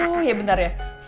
oh ya benar ya